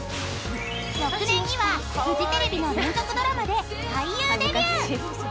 ［翌年にはフジテレビの連続ドラマで俳優デビュー］